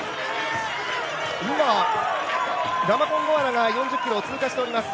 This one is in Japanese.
今、ラマコンゴアナが４０ｋｍを通過しています。